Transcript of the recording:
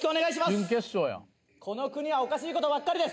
この国はおかしい事ばっかりです。